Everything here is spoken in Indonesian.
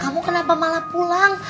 kamu kenapa malah pulang